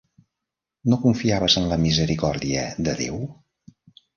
No confiaves en la misericòrdia de Déu?